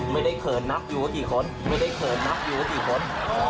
ไม่ได้เขินนับอยู่กับกี่คน